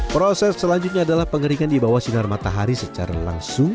proses selanjutnya adalah pengeringan di bawah sinar matahari secara langsung